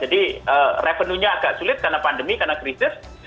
jadi revenue nya agak sulit karena pandemi karena krisis